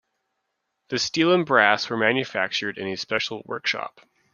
The steel and brass were manufactured in a special workshop.